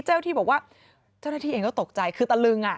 เจ้าที่บอกว่าเจ้าหน้าที่เองก็ตกใจคือตะลึง